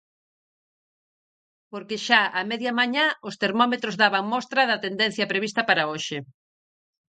Porque xa a media mañá os termómetros daban mostra da tendencia prevista para hoxe.